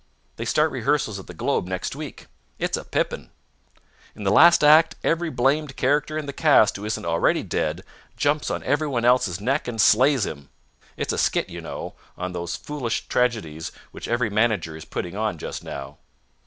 They start rehearsals at the Globe next week. It's a pippin. In the last act every blamed character in the cast who isn't already dead jumps on everyone else's neck and slays him. It's a skit, you know, on these foolish tragedies which every manager is putting on just now.